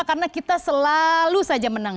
karena kita selalu saja menang